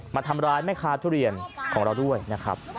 มาทำร้ายแม่ค้าทุเรียนของเราด้วยนะครับ